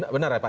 benar ya pak